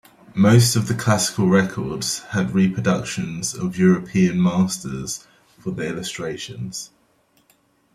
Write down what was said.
Most of the classical records had reproductions of European masters for the illustrations.